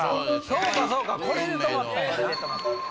そうかそうかこれで止まったんやな。